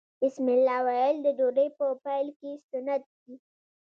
بسم الله ویل د ډوډۍ په پیل کې سنت دي.